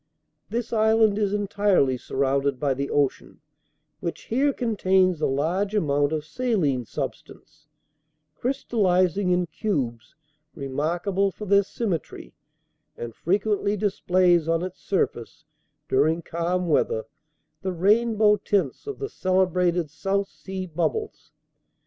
This island is entirely surrounded by the ocean, which here contains a large amount of saline substance, crystallizing in cubes remarkable for their symmetry, and frequently displays on its surface, during calm weather, the rainbow tints of the celebrated South Sea bubbles.